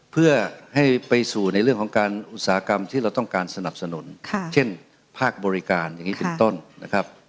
เพื่อให้ไปสู่ในเรื่องของการอุตสาหกรรมที่เราต้องการสนับสนุนเช่นภาคบริการอย่างนี้เป็นต้นนะครับ